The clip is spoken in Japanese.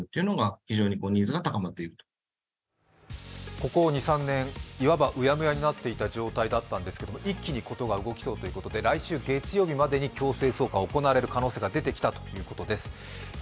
ここ２３年、いわばうやむやになっていた状態だったんですけれども一気に事が動きそうということで来週月曜日までに強制送還行われる可能性が出てきたということです。